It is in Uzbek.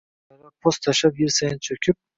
Qoyalar po‘st tashlab, yil sayin cho‘kib